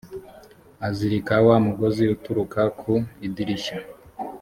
azirika wa mugozi utukura ku idirishya.